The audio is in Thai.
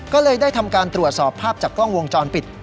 ก็เลยได้ทำการตรวจสอบภาพจากกล้องวงจรปิด